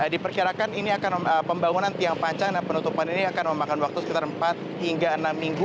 diperkirakan ini akan pembangunan tiang panjang dan penutupan ini akan memakan waktu sekitar empat hingga enam minggu